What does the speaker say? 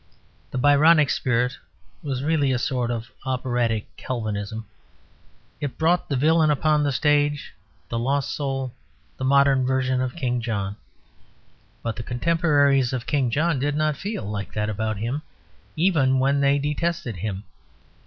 The Byronic spirit was really a sort of operatic Calvinism. It brought the villain upon the stage; the lost soul; the modern version of King John. But the contemporaries of King John did not feel like that about him, even when they detested him.